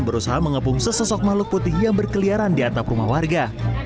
berusaha mengepung sesosok makhluk putih yang berkeliaran di atap rumah warga